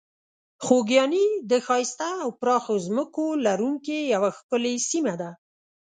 خوږیاڼي د ښایسته او پراخو ځمکو لرونکې یوه ښکلې سیمه ده.